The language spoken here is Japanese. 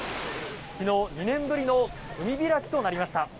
昨日、２年ぶりの海開きとなりました。